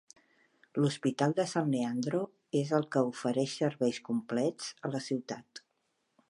L"hospital de San Leandro és el que ofereix serveis complets a la ciutat.